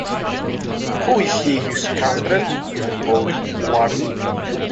‘Who is he, you scoundrel,’ interposed Wardle.